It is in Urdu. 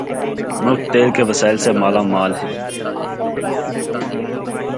ملک تیل کے وسائل سے مالا مال ہے